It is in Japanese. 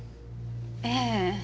ええ。